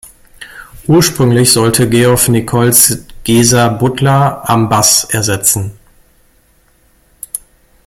Ursprünglich sollte Geoff Nicholls Geezer Butler am Bass ersetzen.